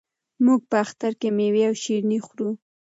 موږ په اختر کې مېوې او شیریني خورو.